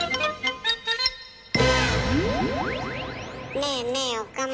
ねえねえ岡村。